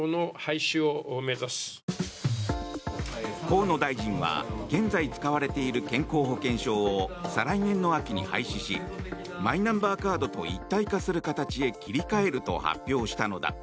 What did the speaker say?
河野大臣は現在使われている健康保険証を再来年の秋に廃止しマイナンバーカードと一体化する形へ切り替えると発表したのだ。